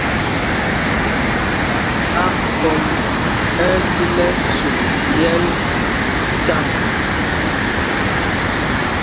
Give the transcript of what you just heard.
Akɔm ɛ́ ɛ́ sil ɛsum myɛl taŋ.